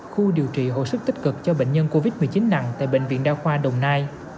khu điều trị hồi sức tích cực cho bệnh nhân covid một mươi chín nặng tại bệnh viện đa khoa đồng nai